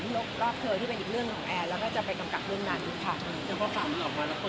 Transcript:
โลกที่เป็นอีกเรื่องของแอลแล้วก็จะไปกำกับเรื่องนั้นอีกค่ะแล้วพอฝากมันออกมาแล้วคนเข้าใจผิด